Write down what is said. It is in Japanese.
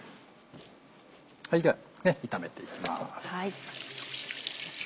では炒めていきます。